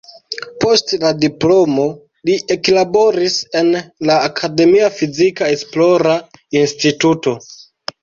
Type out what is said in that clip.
Post la diplomo li eklaboris en la akademia fizika esplora instituto.